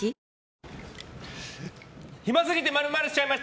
暇すぎて○○しちゃいました